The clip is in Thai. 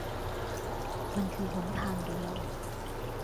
มันคือหนทางเดียว